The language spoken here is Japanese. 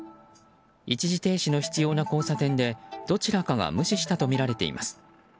一時停止の必要な交差点でどちらかが無視したとみられています。